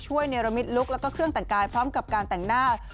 เนรมิตลุคแล้วก็เครื่องแต่งกายพร้อมกับการแต่งหน้า